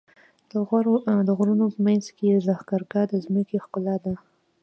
د غرونو منځ کې لښکرګاه د ځمکې ښکلا ده.